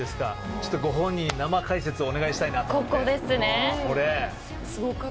ちょっとご本人に生解説をお願いしたいなと。